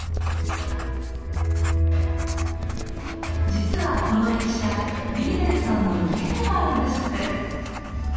実はこの駅舎リンデルさんの家でもあるんですって。